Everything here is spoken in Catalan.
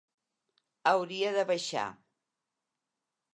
Hauria de baixar.